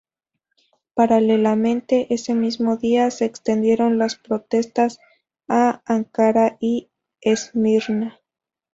Paralelamente, ese mismo día se extendieron las protestas a Ankara y Esmirna.